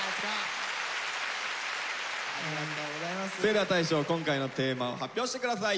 それでは大昇今回のテーマを発表してください。